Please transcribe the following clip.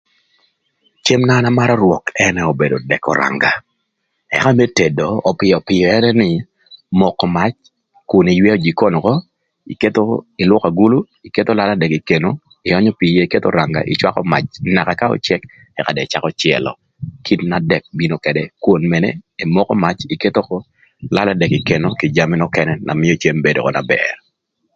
Cem na an amarö rwök ënë obedo dëk öranga, ëka më tedo pïöpïö ënë nï, moko mac kun ïywëö jikon ökö, iketho ïlwökö agulu, iketho lala dëk ï keno, ïööyö pii ïë iketho öranga ïcwakö mac naka ka öcëk, ëka de ïcakö cëlö, kite na dëk bino ködë, kwon mene imoko mac iketho lala dëk ï keno kï jami nökënë na mïö cem bedo ökö na bër.